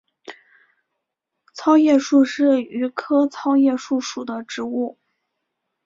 糙叶树是榆科糙叶树属的植物。